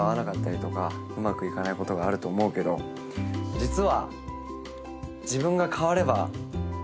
実は。